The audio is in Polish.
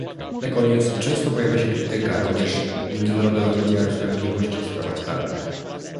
Na koniec, często pojawia się krytyka, również międzynarodowego wymiaru sprawiedliwości w sprawach karnych